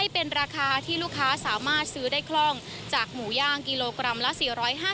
เป็นราคาที่ลูกค้าสามารถซื้อได้คล่องจากหมูย่างกิโลกรัมละ๔๕๐